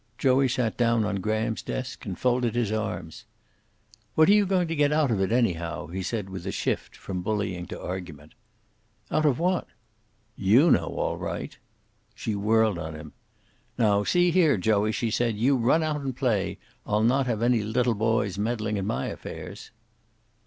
Joey sat down on Graham's desk and folded his arms. "What are you going to get out of it, anyhow?" he said with a shift from bullying to argument. "Out of what?" "You know, all right." She whirled on him. "Now see here, Joey," she said. "You run out and play. I'll not have any little boys meddling in my affairs."